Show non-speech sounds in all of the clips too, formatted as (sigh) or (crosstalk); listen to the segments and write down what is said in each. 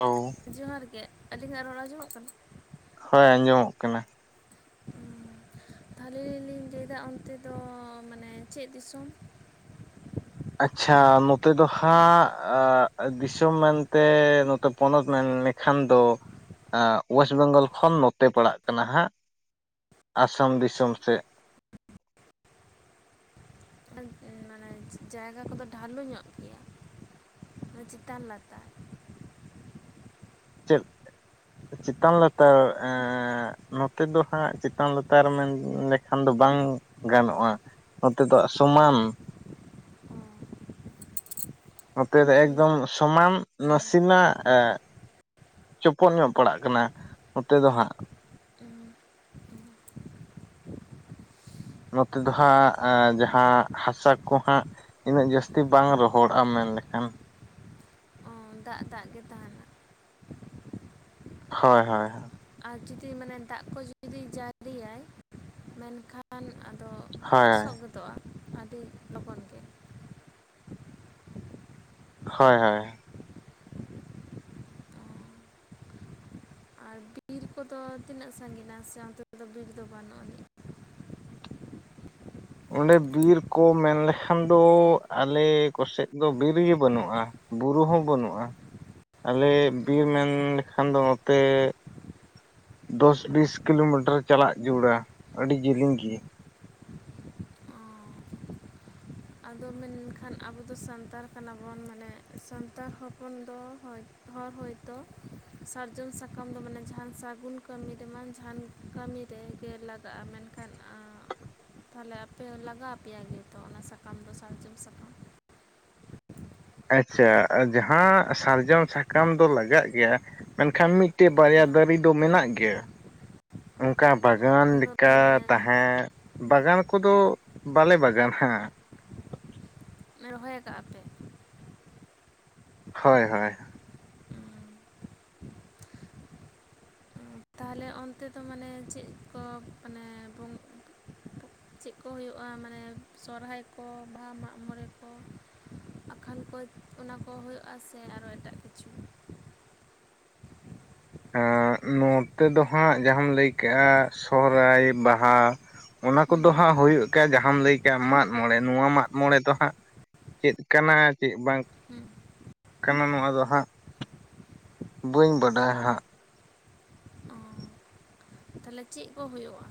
ᱚ (unintelligible) ᱡᱚᱦᱟᱨ ᱜᱮ ᱟᱹᱞᱤᱧᱟᱜ ᱨᱚᱲ ᱟᱸᱡᱚᱢᱚᱜ ᱠᱟᱱᱟ? ᱦᱳᱭ ᱟᱸᱡᱚᱢᱚᱜ ᱠᱟᱱᱟ᱾ ᱛᱟᱦᱞᱮ ᱞᱤᱧ ᱞᱟᱹᱭ ᱫᱟ ᱚᱱᱛᱮ ᱫᱚ ᱢᱟᱱᱮ ᱪᱮᱫ ᱫᱤᱥᱚᱢ ᱟᱪᱪᱷᱟ ᱱᱚᱛᱮ ᱫᱚ ᱦᱟᱸᱜ ᱫᱤᱥᱚᱢ ᱢᱮᱱᱛᱮ ᱱᱚᱛᱮ ᱯᱚᱱᱚᱛ ᱢᱮᱱ ᱠᱷᱟᱱ ᱫᱚ ᱳᱭᱮᱥᱴ ᱵᱮᱝᱜᱚᱞ ᱠᱷᱚᱱ ᱱᱚᱛᱮ ᱯᱟᱲᱟᱜ ᱠᱟᱱᱟ ᱦᱟᱸᱜ ᱟᱥᱟᱢ ᱫᱤᱥᱚᱢ ᱥᱮᱫ ᱚᱱᱛᱮ ᱢᱟᱱᱮ ᱡᱟᱭᱜᱟ ᱠᱚᱫᱚ ᱰᱷᱟᱞᱩ ᱧᱚᱜ ᱜᱮᱭᱟ ᱪᱮᱛᱟᱱ ᱞᱟᱛᱟᱨ ᱪᱮᱫ ᱪᱮᱛᱟᱱ ᱞᱟᱛᱟᱨ ᱮᱸ ᱱᱚᱛᱮ ᱫᱚ ᱦᱟᱸᱜ ᱪᱮᱛᱟᱱ ᱞᱟᱛᱟᱨ ᱢᱮᱱ ᱞᱮᱠᱷᱟᱱ ᱫᱚ ᱵᱟᱝ ᱜᱟᱱᱚᱜᱼᱟ᱾ ᱱᱚᱛᱮ ᱫᱚ ᱥᱚᱢᱟᱱ ᱚ ᱱᱚᱛᱮ ᱫᱚ ᱥᱚᱢᱟᱱ ᱮᱠᱫᱚᱢ ᱥᱚᱢᱟᱱ ᱱᱟᱥᱮᱱᱟᱜ ᱮᱸ ᱪᱚᱯᱚᱞ ᱧᱚᱜ ᱯᱟᱲᱟᱜ ᱠᱟᱱᱟ, ᱱᱚᱛᱮ ᱫᱚ ᱦᱟᱸᱜ᱾ ᱦᱩᱸ᱾ ᱱᱚᱛᱮ ᱫᱚ ᱦᱟᱸᱜ ᱡᱟᱦᱟᱸ ᱦᱟᱥᱟ ᱠᱚ ᱦᱟᱸᱜ, ᱤᱱᱟᱹᱜ ᱡᱟᱹᱥᱛᱤ ᱵᱟᱝ ᱨᱚᱦᱚᱲᱟ ᱢᱮᱱ ᱞᱮᱠᱷᱟᱱ᱾ ᱦᱚᱸ ᱫᱟᱜ ᱫᱟᱜ ᱜᱮ ᱛᱟᱦᱮᱱᱟ ᱦᱳᱭ ᱦᱳᱭ᱾ ᱟᱨ ᱡᱩᱫᱤ ᱢᱟᱱᱮ ᱫᱟᱜ ᱠᱚ ᱡᱩᱫᱤ ᱡᱟᱹᱲᱤᱭᱟᱭ, ᱢᱮᱱᱠᱷᱟᱱ ᱠᱷᱟᱱ ᱟᱫᱚ ᱦᱳᱭ ᱞᱚᱥᱚᱜ ᱜᱚᱫᱚᱜᱼᱟ ᱟᱹᱰᱤ ᱞᱚᱜᱚᱱ ᱜᱮ᱾ ᱦᱳᱭ ᱦᱳᱭ᱾ ᱚ ᱟᱨ ᱵᱤᱨ ᱠᱚᱫᱚ ᱛᱤᱱᱟᱹᱜ ᱥᱟᱺᱜᱤᱱᱟ ᱥᱮ ᱚᱱᱛᱮ ᱨᱮᱫᱚ ᱵᱤᱨ ᱫᱚ ᱵᱟᱹᱱᱩᱜ ᱟᱹᱱᱤᱡ? ᱚᱸᱰᱮ ᱵᱤᱨ ᱠᱚ ᱢᱮᱱᱞᱠᱷᱟᱱ ᱫᱚ ᱟᱞᱮ ᱠᱚ ᱥᱮᱫ ᱫᱚ ᱵᱤᱨ ᱜᱮ ᱵᱟᱹᱱᱩᱜᱼᱟ, ᱵᱩᱨᱩ ᱦᱚᱸ ᱵᱟᱹᱱᱩᱜᱼᱟ᱾ ᱟᱞᱮ ᱵᱤᱨ ᱢᱮᱱ ᱞᱮᱠᱷᱟᱱ ᱫᱚ ᱱᱚᱛᱮ ᱫᱚᱥ ᱵᱤᱥ ᱠᱤᱞᱳᱢᱤᱴᱟᱨ ᱪᱟᱞᱟᱜ ᱡᱟᱨᱩᱲᱟ, ᱟᱹᱰᱤ ᱡᱮᱞᱮᱧ ᱜᱮ᱾ ᱚ ᱟᱫᱚ ᱢᱮᱱᱠᱷᱟᱱ ᱟᱵᱚ ᱥᱟᱱᱛᱟᱲ ᱠᱟᱱᱟ ᱵᱚᱱ ᱢᱟᱱᱮ ᱥᱟᱱᱛᱟᱲ ᱦᱚᱯᱚᱱ ᱫᱚ ᱦᱳᱭ ᱦᱚᱲ ᱦᱚᱭᱛᱳ, ᱥᱟᱨᱡᱚᱢ ᱥᱟᱠᱟᱢ ᱫᱚ ᱢᱟᱱᱮ ᱡᱟᱦᱟᱸᱱ ᱥᱟᱜᱩᱱ ᱠᱟᱹᱢᱤ ᱨᱮᱢᱟ ᱡᱟᱦᱟᱸᱱ ᱠᱟᱹᱢᱤ ᱨᱮᱜᱮ ᱞᱟᱜᱟᱜᱼᱟ ᱢᱮᱱᱠᱷᱟᱱ ᱛᱟᱦᱚᱞᱮ ᱟᱯᱮ ᱞᱟᱜᱟᱣ ᱟᱯᱮᱭᱟ ᱜᱮᱛᱚ ᱚᱱᱟ ᱥᱟᱠᱟᱢ ᱫᱚ ᱥᱟᱨᱡᱚᱢ ᱥᱟᱠᱟᱢ? ᱟᱪᱪᱷᱟ ᱡᱟᱦᱟᱸ ᱥᱟᱨᱡᱚᱢ ᱥᱟᱠᱟᱢ ᱫᱚ ᱞᱟᱜᱟᱜ ᱜᱮᱭᱟ, ᱢᱮᱱᱠᱷᱟᱱ ᱢᱤᱫ ᱴᱮᱡ ᱵᱟᱨᱭᱟ ᱦᱮᱸ ᱫᱟᱨᱮ ᱫᱚ ᱢᱮᱱᱟᱜ ᱜᱮᱭᱟ᱾ ᱚᱝᱠᱟ ᱵᱟᱜᱟᱱ ᱚᱱᱟ ᱫᱚ ᱞᱮᱠᱟ ᱢᱟᱱᱮ ᱛᱟᱦᱮᱸ ᱵᱟᱜᱟᱱ ᱠᱚᱫᱚ, ᱵᱟᱞᱮ ᱵᱟᱜᱟᱱᱟ᱾ ᱨᱚᱦᱚᱭ ᱟᱠᱟᱜᱼᱟ ᱯᱮ? ᱦᱳᱭ ᱦᱳᱭ᱾ ᱛᱟᱦᱚᱞᱮ ᱚᱱᱛᱮ ᱫᱚ ᱢᱟᱱᱮ ᱪᱮᱫ ᱠᱚ ᱢᱟᱱᱮ ᱵᱚᱸ ᱪᱮᱫ ᱠᱚ ᱦᱩᱭᱩᱜᱼᱟ ᱢᱟᱱᱮ ᱥᱚᱨᱦᱟᱭ ᱠᱚ, ᱵᱟᱦᱟ, ᱢᱟᱜ ᱢᱚᱬᱮ ᱠᱚ, ᱟᱠᱷᱟᱱ ᱠᱚ ᱚᱱᱟ ᱠᱚ ᱦᱩᱭᱩᱜᱼᱟ ᱥᱮ ᱟᱨᱚ ᱮᱴᱟᱜ ᱠᱤᱪᱷᱩ? ᱟᱸᱻ ᱱᱚᱛᱮ ᱫᱚ ᱦᱟᱸᱜ ᱡᱟᱦᱟᱸᱢ ᱞᱟᱹᱭ ᱠᱟᱜᱼᱟ ᱥᱚᱦᱨᱟᱭ, ᱵᱟᱦᱟ, ᱚᱱᱟ ᱠᱚᱫᱚ ᱦᱩᱸ ᱦᱟᱸᱜ ᱦᱳᱭᱳᱜ-ᱼ ᱠᱟ ᱡᱟᱦᱟᱸᱢ ᱞᱟᱹᱭ ᱠᱟᱜ ᱢᱟᱜ ᱢᱚᱬᱮ ᱱᱚᱣᱟ ᱢᱟᱜ ᱢᱚᱬᱮ ᱫᱚ ᱦᱟᱸᱜ, ᱪᱮᱫ ᱠᱟᱱᱟ ᱪᱮᱫ ᱵᱟᱝ ᱦᱩᱸ ᱠᱟᱱᱟ ᱱᱚᱣᱟ ᱫᱚ ᱦᱟᱸᱜ ᱵᱟᱹᱧ ᱵᱟᱰᱟᱭᱟ ᱦᱟᱸᱜ᱾ ᱚ ᱛᱟᱦᱚᱞᱮ ᱪᱮᱜ ᱠᱚ ᱦᱳᱭᱳᱜᱼᱟ?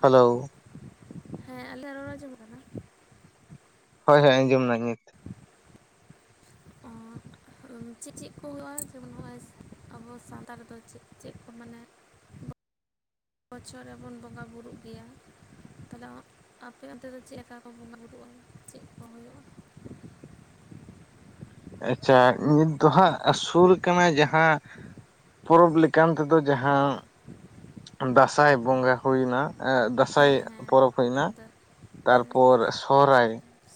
ᱦᱮᱞᱳᱣ ᱾ ᱦᱮᱸ ᱟᱞᱮᱭᱟᱜ ᱨᱚᱲ ᱟᱸᱡᱚᱢᱚᱜ ᱠᱟᱱᱟ? ᱦᱳᱭ ᱦᱳᱭ ᱟᱸᱡᱚᱢᱱᱟ ᱱᱤᱛ᱾ (unintelligible) ᱾ ᱦᱩᱸᱜ-ᱩᱸ ᱪᱮᱫ ᱪᱮᱫ ᱠᱚ ᱦᱩᱭᱩᱜᱼᱟ ᱡᱮᱢᱚᱱ ᱱᱚᱜᱼᱚ, ᱭ ᱟᱵᱚ ᱥᱟᱶᱛᱟ ᱨᱮᱫᱚ ᱪᱮᱫ ᱪᱮᱫ ᱠᱚ ᱢᱟᱱᱮ ᱵᱚᱪᱷᱚᱨ ᱨᱮᱵᱚᱱ ᱵᱚᱸᱜᱟ ᱵᱩᱨᱩᱜ ᱜᱮᱭᱟ, ᱛᱟᱦᱚᱞᱮ ᱚ ᱟᱯᱮ ᱚᱱᱛᱮ ᱫᱚ ᱪᱮᱫ ᱞᱮᱠᱟ ᱠᱚ ᱵᱚᱸᱜᱟ ᱵᱩᱨᱩᱜᱼᱟ, ᱪᱮᱫ ᱠᱚ ᱦᱳᱭᱳᱜᱼᱟ? ᱟᱪᱪᱷᱟ ᱱᱤᱛ ᱫᱚ ᱦᱟᱸᱜ ᱟᱸ ᱥᱩᱨ ᱠᱟᱱᱟ ᱡᱟᱦᱟᱸ ᱯᱚᱨᱚᱵᱽ ᱞᱮᱠᱟᱱ ᱛᱮᱫᱚ ᱡᱟᱦᱟᱸ, ᱫᱟᱸᱥᱟᱸᱭ ᱵᱚᱸᱜᱟ ᱦᱩᱭᱱᱟ, ᱟᱸᱜ ᱫᱟᱸᱥᱟᱸᱭ ᱦᱮᱸ ᱦᱮᱸ ᱯᱚᱨᱚᱵᱽ ᱦᱩᱭᱱᱟ᱾ ᱟᱫᱚ ᱦᱮᱸ ᱛᱟᱨᱯᱚᱨ ᱥᱚᱦᱨᱟᱭ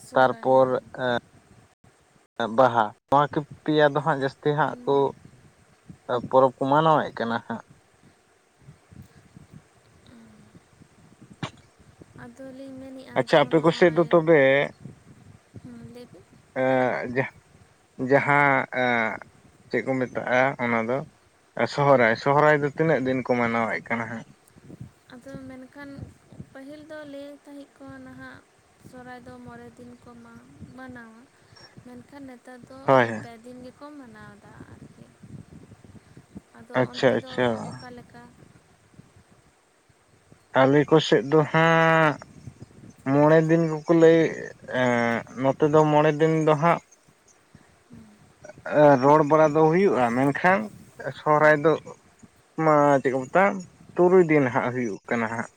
ᱥᱚᱦᱨᱟᱭ ᱛᱟᱨᱯᱚᱨ ᱦᱮᱸ ᱟᱸ ᱵᱟᱦᱟ, ᱱᱚᱣᱟ ᱠᱤ ᱯᱮᱭᱟ ᱫᱚ ᱦᱟᱸᱜ ᱡᱟᱹᱥᱛᱤ ᱦᱟᱸᱜ ᱠᱚ ᱟ ᱯᱚᱨᱚᱵᱽ ᱠᱚ ᱢᱟᱱᱟᱣᱮᱫ ᱠᱟᱱᱟ ᱦᱟᱸᱜ᱾ ᱟᱫᱚᱞᱤᱧ ᱢᱮᱱᱮᱫᱼᱟ ᱟᱪᱪᱷᱟ ᱡᱮᱢᱚᱱ ᱟᱯᱮ ᱠᱚᱥᱮᱫ ᱫᱚ ᱦᱚᱜᱼᱚᱭ᱾ ᱛᱚᱵᱮ ᱦᱩᱹ ᱞᱟᱹᱭ ᱵᱤᱱ᱾ ᱮᱸᱜ ᱡᱟᱸᱦ ᱡᱟᱦᱟᱸ ᱮᱸ ᱪᱮᱫ ᱠᱚ ᱢᱮᱛᱟᱜᱼᱟ ᱚᱱᱟ ᱫᱚ ᱮ ᱥᱚᱦᱨᱟᱭ᱾ ᱥᱚᱦᱨᱟᱭ ᱫᱚ ᱛᱤᱱᱟᱹᱜ ᱫᱤᱱ ᱠᱚ ᱢᱟᱱᱟᱣᱮᱫ ᱠᱟᱱᱟ ᱦᱟᱸᱜ? ᱟᱫᱚ ᱢᱮᱱᱠᱷᱟᱱ ᱯᱟᱹᱦᱤᱞ ᱫᱚ ᱞᱟᱹᱭ ᱛᱟᱦᱮᱸᱫ ᱠᱚ ᱱᱟᱦᱟᱜ ᱥᱚᱨᱦᱟᱭ ᱫᱚ ᱢᱬᱮ ᱫᱤᱱ ᱠᱚ ᱢᱟ ᱢᱟᱱᱟᱣᱟ ᱢᱮᱱᱠᱷᱟᱱ ᱱᱮ ᱱᱮᱛᱟᱨ ᱫᱚ ᱚ ᱦᱳᱭ ᱦᱳᱭ ᱯᱮ ᱫᱤᱱ ᱜᱮᱠᱚ ᱢᱟᱱᱟᱣᱫᱟ ᱟᱨᱪᱮᱫ᱾ ᱟᱫᱚ ᱟᱪᱪᱷᱟ ᱚᱱᱛᱮ ᱫᱚ ᱟᱪᱪᱷᱟ ᱚᱠᱟᱞᱮᱠᱟ? ᱟᱞᱮ ᱠᱚ ᱥᱮᱫ ᱫᱚ ᱦᱟᱸᱜ ᱢᱚᱲᱮ ᱫᱤᱱ ᱠᱚᱠᱚ ᱞᱟᱹᱭ ᱮ ᱮᱸᱜ ᱱᱚᱛᱮ ᱫᱚ ᱢᱚᱲᱮ ᱫᱤᱱ ᱫᱚ ᱦᱟᱸᱜ ᱮ ᱨᱚᱲ ᱵᱟᱲᱟ ᱫᱚ ᱦᱩᱭᱩᱜᱼᱟ ᱢᱮᱱᱠᱷᱟᱱ ᱥᱚᱦᱨᱟᱭ ᱫᱚ ᱢᱟ ᱪᱮᱫ ᱠᱚ ᱢᱮᱛᱟ-ᱟ ᱛᱩᱨᱩᱭ ᱫᱤᱱ ᱦᱟᱸᱜ ᱦᱩᱭᱩᱜ ᱠᱟᱱᱟ ᱦᱟᱸᱜ᱾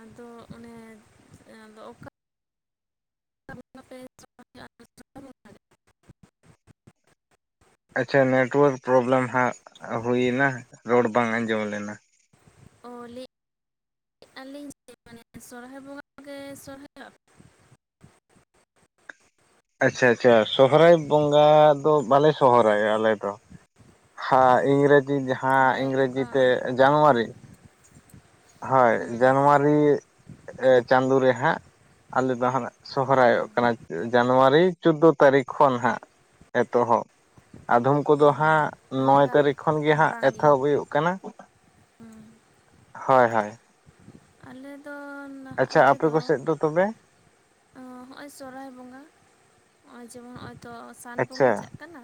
ᱟᱫᱚ ᱚᱱᱮ ᱮᱸ ᱟᱫᱚ ᱚᱠᱟ (unintelligible) ᱟᱪᱪᱷᱟ ᱱᱮᱴᱳᱣᱟᱨᱠ ᱯᱨᱚᱵᱞᱮᱢ ᱦᱟᱸᱜ ᱦᱩᱭᱱᱟ᱾ ᱨᱚᱲ ᱵᱟᱝ ᱟᱸᱡᱚᱢ ᱞᱮᱱᱟ᱾ ᱚ ᱞᱟᱹᱭ (unintelligible) ᱟᱹᱞᱤᱧ ᱢᱟᱱᱮ ᱥᱚᱨᱦᱟᱭ ᱵᱚᱸᱜᱟ ᱜᱮ ᱥᱚᱨᱦᱟᱭᱚᱜ ᱟᱪᱪᱷᱟ ᱟᱪᱪᱷᱟ ᱥᱚᱦᱚᱨᱟᱭ ᱵᱚᱸᱜᱟ ᱫᱚ ᱵᱟᱞᱮ ᱥᱚᱦᱚᱨᱟᱭᱚᱜ-ᱟ ᱟᱞᱮ ᱫᱚ᱾ ᱦᱟᱸ ᱤᱝᱨᱮᱡᱤ ᱡᱟᱦᱟᱸ ᱛᱟᱦᱚᱞᱮ ᱤᱝᱨᱮᱡᱤ ᱚᱠᱟ ᱛᱮ ᱡᱟᱱᱩᱣᱟᱨᱤ᱾ ᱦᱳᱭ ᱦᱩᱸ ᱡᱟᱱᱩᱣᱟᱨᱤ ᱮ ᱪᱟᱸᱫᱳ ᱨᱮ ᱦᱟᱸᱜ ᱟᱞᱮᱫᱚ ᱦᱟᱸᱜ ᱚ ᱥᱚᱦᱨᱟᱭᱚᱜ ᱠᱟᱱᱟ (unintelligible) ᱡᱟᱱᱣᱟᱨᱤ ᱪᱳᱫᱽᱫᱳ ᱛᱟᱹᱨᱤᱠᱷ ᱠᱷᱚᱱ ᱦᱟᱸᱜ ᱮᱛᱚᱦᱚᱵ, ᱟᱫᱷᱚᱢ ᱠᱚᱫᱚ ᱚ ᱦᱟᱸᱜ ᱢᱟᱱᱮ ᱱᱚᱭ ᱨᱟᱯ ᱛᱟᱹᱨᱤᱠᱷ ᱠᱷᱚᱱ ᱜᱮ ᱦᱟᱸᱜ ᱵᱟᱝᱜᱮ ᱮᱛᱚᱦᱚᱵ ᱦᱩᱭᱩᱜ ᱠᱟᱱᱟ᱾ ᱦᱩᱸ᱾ ᱦᱳᱭ ᱦᱳᱭ᱾ ᱟᱞᱮ ᱫᱚ ᱱᱟᱦᱟᱜ ᱟᱪᱪᱷᱟ ᱱᱚᱛᱮ ᱟᱯᱮ ᱫᱚ ᱠᱚᱥᱮᱫ ᱛᱚᱵᱮ ᱦᱚᱜᱼᱚᱭ ᱥᱚᱨᱚᱦᱦᱟᱭ ᱵᱚᱸᱜᱟ, ᱦᱚᱸᱜᱼᱚᱭ ᱡᱮᱢᱚᱱ ᱦᱚᱜᱼᱚᱭ ᱛᱚ ᱥᱟᱱ ᱵᱚᱸᱜᱟ ᱟᱪᱪᱷᱟ ᱪᱟᱜ ᱠᱟᱱᱟ᱾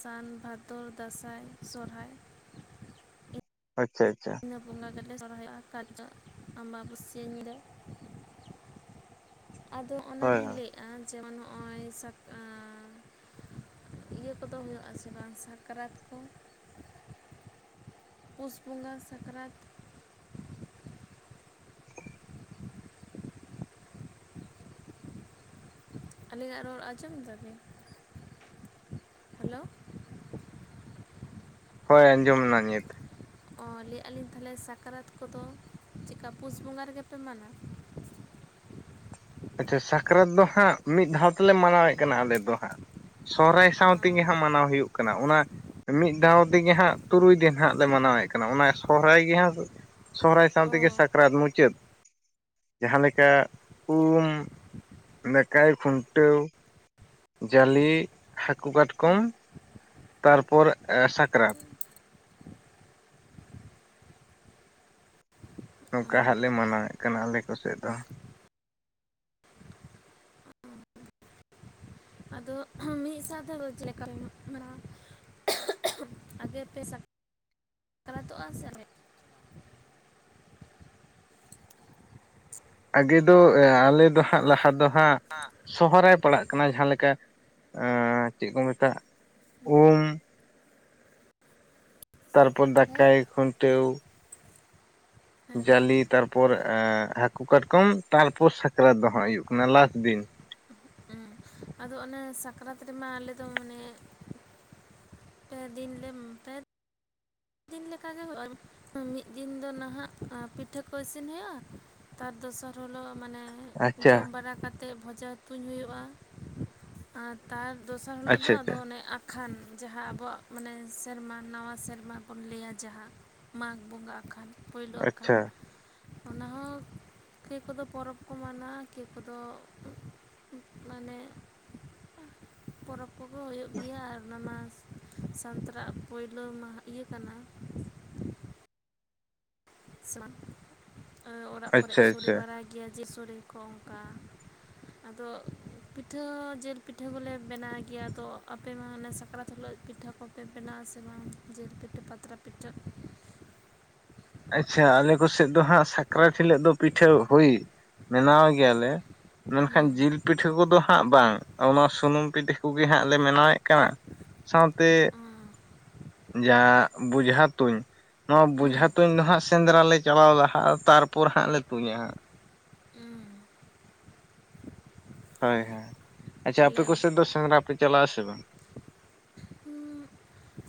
ᱥᱟᱱ, ᱵᱷᱟᱫᱚᱨ, ᱫᱟᱸᱥᱟᱸᱭ, ᱥᱚᱨᱦᱟᱭ᱾ ᱟᱪᱪᱷᱟ ᱟᱪᱪᱷᱟ᱾ ᱤᱱᱟᱹ ᱵᱚᱸᱜᱟ ᱜᱮ ᱞᱮ ᱥᱚᱨᱚᱦᱟᱭᱚᱜᱼᱟ (unintelligible) ᱟᱢᱵᱟ ᱵᱟᱥᱤᱭᱟᱹ ᱧᱤᱸᱫᱟᱹ᱾ ᱟᱫᱚ ᱦᱳᱭ ᱚᱱᱟᱞᱤᱧ ᱦᱳᱭ ᱞᱟᱹᱭᱮᱫᱼᱟ ᱡᱮᱢᱚᱱ ᱦᱚᱸᱜᱼᱚᱭ ᱥᱟᱠ ᱟᱸ ᱤᱭᱟᱹ ᱠᱚᱫᱚ ᱦᱩᱭᱩᱜ ᱟᱥᱮ ᱵᱟᱝ ᱥᱟᱠᱨᱟᱛ ᱠᱚ? ᱯᱩᱥ ᱵᱚᱸᱜᱟ ᱥᱟᱠᱨᱟᱛ᱾ ᱟᱞᱤᱧᱟᱜ ᱨᱚᱲ ᱟᱸᱡᱚᱢ ᱫᱟᱵᱮᱱ? ᱦᱟᱞᱳ᱾ ᱦᱳᱭ ᱟᱸᱡᱚᱢᱱᱟ ᱧᱤᱛ᱾ ᱚ ᱞᱟᱹᱭᱮᱫᱼᱟᱞᱤᱧ ᱛᱟᱦᱚᱞᱮ ᱥᱟᱠᱨᱟᱛ ᱠᱚᱫᱚ ᱪᱮᱫᱠᱟ ᱯᱩᱥ ᱵᱚᱸᱜᱟ ᱨᱮᱜᱮᱯᱮ ᱢᱟᱱᱟᱣ ᱟᱪᱪᱷᱟ ᱥᱟᱠᱨᱟᱛ ᱫᱚ ᱦᱟᱸᱜ ᱢᱤᱫ ᱫᱷᱟᱣ ᱛᱮᱞᱮ ᱢᱟᱱᱟᱣᱮᱫ ᱠᱟᱱᱟ ᱟᱞᱮ ᱫᱚ ᱦᱟᱸᱜ᱾ ᱥᱚᱦᱨᱟᱭ ᱥᱟᱸᱶ ᱛᱤ ᱧᱟᱦᱟᱸᱜ ᱢᱟᱱᱟᱣ ᱦᱩᱭᱩᱜ ᱠᱟᱱᱟ ᱚᱱᱟ ᱚᱱᱟ ᱢᱤᱫ ᱫᱷᱟᱣ ᱛᱮᱜᱮ ᱦᱟᱸᱜ ᱛᱩᱨᱩᱭ ᱫᱤᱱ ᱦᱟᱸᱜ ᱞᱮ ᱢᱟᱱᱟᱣᱮᱫ ᱠᱟᱱᱟ ᱚᱱᱟ ᱥᱚᱦᱨᱟᱭ ᱜᱮ ᱦᱟᱸᱜ ᱥᱚᱦᱨᱟᱭ ᱥᱟᱸᱶ ᱚ ᱛᱮᱜᱮ ᱥᱟᱠᱨᱟᱛ ᱢᱩᱪᱟᱹᱫ ᱡᱟᱦᱟᱸ ᱞᱮᱠᱟ ᱩᱢ, ᱱᱟᱠᱟᱭ, ᱠᱷᱩᱱᱴᱟᱹᱣ᱾ ᱡᱟᱞᱮ ᱦᱟᱹᱠᱩ ᱠᱟᱴᱠᱚᱢ ᱛᱟᱨᱯᱚᱨ ᱮᱸ ᱥᱟᱠᱨᱟᱛ᱾ ᱱᱚᱝᱠᱟ ᱦᱟᱸᱜ ᱞᱮ ᱢᱟᱱᱟᱣᱮᱫ ᱠᱟᱱᱟ ᱟᱞᱮ ᱠᱚ ᱥᱮᱫ ᱫᱚ᱾ ᱟᱫᱚ ᱢᱤᱫ ᱥᱟᱶ ᱛᱮᱫᱚ ᱪᱮᱫ ᱞᱮᱠᱟ ᱯᱮ ᱢᱟᱱᱟᱣᱜ ᱠᱟᱱᱟ? ᱟᱜᱮ ᱯᱮ ᱥᱟᱠ-ᱨᱟᱛᱚᱜ-ᱟ ᱥᱮ ᱯᱮ ᱟᱜᱮ ᱫᱚ ᱟᱞᱮ ᱟ ᱫᱚ ᱦᱟᱸᱜ ᱞᱟᱦᱟ ᱫᱚ ᱦᱟᱸᱜ (unintelligible) ᱥᱚᱦᱚᱨᱟᱭ ᱯᱟᱲᱟᱜ ᱠᱟᱱᱟ ᱡᱟᱦᱟᱸ ᱞᱮᱠᱟ ᱪᱮᱫ ᱠᱚ ᱢᱮᱛᱟᱜ ᱩᱢ, ᱛᱟᱨᱯᱚᱨ ᱦᱮᱸ ᱫᱟᱠᱟᱭ ᱠᱷᱩᱱᱴᱟ. ᱣ, ᱦᱮᱸ ᱞᱟᱹᱭ ᱡᱟᱞᱮ ᱵᱤᱱ ᱛᱟᱨᱯᱚᱨ ᱮ ᱦᱟᱹᱠᱩ ᱠᱟᱴᱠᱚᱢ ᱛᱟᱨᱯᱚᱨ ᱥᱟᱠᱨᱟᱛ ᱫᱚ ᱦᱟᱸᱜ ᱦᱩᱭᱩᱜ ᱠᱟᱱᱟ ᱞᱟᱥ ᱫᱤᱱ, ᱦᱮᱸ ᱟᱫᱚ ᱚᱱᱮ ᱥᱟᱠᱨᱟᱛ ᱨᱮᱢᱟ ᱟᱞᱮ ᱫᱚ ᱢᱟᱱᱮ ᱯᱮ ᱫᱤᱱ ᱞᱮ ᱯᱮ ᱢᱤᱫᱤᱱ ᱞᱮᱠᱟᱜᱮ ᱦᱩᱭᱩᱜᱼᱟ ᱢᱤᱫ ᱫᱤᱱ ᱫᱚ ᱱᱟᱦᱟᱜ ᱯᱤᱴᱷᱟᱹ ᱠᱚ ᱤᱥᱤᱱ ᱦᱩᱭᱩᱜᱼᱟ, ᱛᱟᱨ ᱫᱚᱥᱟᱨ ᱦᱤᱞᱳᱜ ᱢᱟᱱᱮ ᱟᱪᱪᱷᱟ ᱡᱚᱢ ᱵᱟᱲᱟ ᱠᱟᱛᱮᱜ ᱵᱷᱚᱡᱟ ᱛᱩᱧ ᱦᱩᱭᱩᱜᱼᱟ, ᱟᱨ ᱛᱟᱨ ᱫᱚᱥᱟᱨ ᱦᱤᱞᱚᱜ ᱫᱚ ᱟᱪᱪᱷᱟ ᱟᱫᱚ ᱟᱪᱪᱷᱟ ᱚᱱᱮ ᱠᱷᱟᱱ ᱡᱟᱦᱟᱸ ᱟᱵᱚᱣᱟᱜ ᱢᱟᱱᱮ ᱥᱮᱨᱢᱟ ᱱᱟᱣᱟ ᱥᱮᱨᱢᱟ ᱵᱚᱱ ᱞᱟᱹᱭᱟ ᱡᱟᱦᱟᱸ ᱢᱟᱜᱽ ᱵᱚᱸᱜᱟ ᱟᱠᱟᱱ ᱯᱳᱭᱞᱳ ᱟᱠᱷᱟᱱ, ᱟᱪᱪᱷᱟ ᱚᱱᱟᱦᱚᱸ ᱠᱮ ᱠᱚᱫᱚ ᱯᱚᱨᱚᱵᱽ ᱠᱚ ᱢᱟᱱᱟᱣᱟ ᱠᱮ ᱠᱚᱫᱚ ᱢᱟᱱᱮ ᱯᱚᱨᱚᱵᱽ ᱠᱚᱜᱮ ᱦᱩᱭᱩᱜ ᱜᱮᱭᱟ ᱟᱨ ᱚᱱᱟ ᱢᱟᱥ ᱥᱟᱱᱛᱟᱲᱟᱜ ᱯᱳᱭᱞᱳ ᱢᱟᱦᱟ ᱤᱭᱟᱹ ᱠᱟᱱᱟ, ᱥᱮᱨᱢᱟ ᱚᱲᱟᱜ ᱠᱚᱨᱮᱜ ᱟᱪᱪᱷᱟ ᱠᱚ ᱥᱚᱲᱮ ᱟᱪᱪᱷᱟ ᱵᱟᱲᱟᱭ ᱜᱮᱭᱟ ᱡᱮᱞ ᱥᱚᱲᱮ ᱠᱚ ᱚᱱᱠᱟ, ᱟᱫᱚ ᱯᱤᱴᱷᱟᱹ ᱡᱮᱞ ᱯᱤᱴᱷᱟᱹ ᱠᱚᱞᱮ ᱵᱮᱱᱟᱣ ᱜᱮᱭᱟ ᱟᱫᱚ ᱟᱯᱮ ᱢᱟ ᱦᱟᱱᱮ ᱥᱟᱠᱨᱟᱛ ᱦᱤᱞᱳᱜ ᱯᱤᱴᱷᱟᱹ ᱠᱚ ᱯᱮ ᱵᱮᱱᱟᱣ ᱟᱥᱤ ᱵᱟᱝ ᱡᱮᱞ ᱯᱤᱴᱷᱟ. ᱯᱟᱛᱲᱟ ᱯᱤᱴᱷᱟ? ᱟᱪᱪᱷᱟ ᱟᱞᱮ ᱠᱚ ᱥᱮᱫ ᱫᱚ ᱦᱟᱸᱜ ᱥᱟ ᱥᱟᱠᱨᱟᱛ ᱦᱤᱞᱳᱜ ᱫᱚ ᱯᱤᱴᱷᱟᱹ ᱦᱩᱭ ᱵᱮᱱᱟᱣ ᱜᱮᱭᱟ ᱞᱮ ᱢᱮᱱᱠᱷᱟᱱ ᱦᱩᱸ ᱡᱤᱞ ᱯᱤᱴᱷᱟᱹ ᱠᱚᱫᱚ ᱦᱟᱸᱜ ᱵᱟᱝ ᱚᱱᱟ ᱥᱩᱱᱩᱢ ᱯᱤᱴᱷᱟᱹ ᱠᱚᱜᱮ ᱦᱟᱸᱜ ᱞᱮ ᱵᱮᱱᱟᱣᱮᱫ ᱠᱟᱱᱟ ᱥᱟᱶ ᱛᱮ ᱡᱟ ᱵᱚᱡᱷᱟ ᱛᱩᱧ ᱱᱚᱣᱟ ᱦᱩᱸ ᱵᱚᱡᱷᱟ, ᱛᱩᱧ ᱦᱟᱸᱜ ᱥᱮᱸᱫᱽᱨᱟ ᱞᱮ ᱪᱟᱞᱟᱣ ᱞᱟᱦᱟᱜ ᱟ ᱛᱟᱨᱯᱚᱨ ᱦᱟᱸᱜ ᱞᱮ ᱛᱩᱧᱟ ᱦᱟᱸᱜ, ᱦᱩᱸ ᱦᱳᱭ ᱦᱳᱭ ᱟᱪᱷᱟ ᱟᱯᱮ ᱛᱟᱦᱚᱞᱮ ᱠᱚᱥᱮᱫ ᱫᱚ ᱥᱮᱸᱫᱽᱨᱟ ᱯᱮ ᱪᱟᱞᱟᱜ ᱟᱥᱮ ᱵᱟᱝ?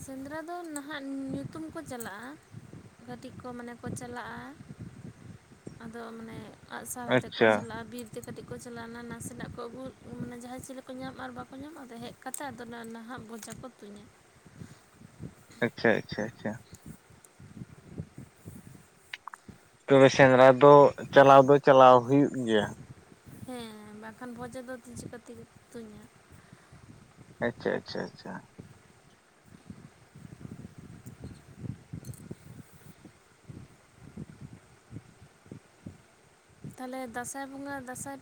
ᱥᱮᱸᱫᱽᱨᱟ ᱫᱚ ᱱᱟᱦᱟᱜ ᱧᱩᱛᱩᱢ ᱠᱚ ᱪᱟᱞᱟᱜ ᱟ ᱜᱟᱹᱴᱤᱡ ᱠᱚ ᱢᱟᱱᱮ ᱠᱚ ᱪᱟᱞᱟᱜᱼᱟ ᱟᱫᱚ ᱢᱟᱱᱮ ᱟᱜᱼᱥᱟᱨ ᱟᱛᱮᱫ ᱠᱚ ᱟᱪᱪᱷᱟ ᱪᱟᱞᱟᱜᱼᱟ ᱵᱤᱨ ᱛᱮ ᱠᱟᱹᱴᱤᱡ ᱠᱚ ᱪᱟᱞᱟᱣ ᱱᱟ ᱱᱟᱥᱮᱱᱟᱜ ᱠᱚ ᱟᱹᱜᱩ ᱢᱟᱱᱮ ᱡᱟᱦᱟᱸᱭ ᱪᱮᱞᱮ ᱠᱚ ᱧᱟᱢ ᱟᱨ ᱵᱟᱠᱚ ᱧᱟᱢ ᱟᱫᱚ ᱦᱮᱡ ᱠᱟᱛᱮ ᱟᱫᱚ ᱚᱱᱟ ᱱᱟᱦᱟᱜ ᱵᱚᱡᱷᱟ ᱠᱚ ᱛᱩᱧᱟ ᱟᱪᱪᱷᱟ ᱟᱪᱪᱷᱟ ᱟᱪᱪᱷᱟ ᱛᱚᱵᱮ ᱥᱮᱸᱫᱽᱨᱟ ᱫᱚ ᱪᱟᱞᱟᱣ ᱫᱚ ᱪᱟᱞᱟᱣ ᱦᱩᱭᱩᱜ ᱜᱮᱭᱟ, ᱦᱮᱸ ᱵᱟᱝᱠᱷᱟᱱ ᱵᱷᱚᱡᱟ ᱫᱚ ᱪᱤᱠᱟᱹᱛᱮᱧ ᱛᱩᱧᱟ, ᱟᱪᱟ ᱟᱪᱟ ᱟᱪᱟ ᱛᱟᱦᱚᱞᱮ ᱫᱟᱸᱥᱟᱭ ᱵᱚᱸᱜᱟ ᱫᱟᱸᱥᱟᱭ